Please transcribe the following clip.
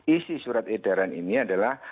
isi surat edaran ini adalah